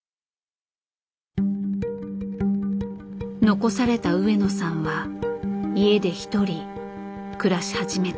残された上野さんは家で独り暮らし始めた。